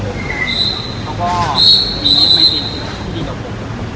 แล้วก็มีในภายใจที่ดีกว่าผม